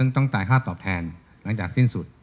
ต้องจ่ายค่าตอบแทนหลังจากสิ้นสุด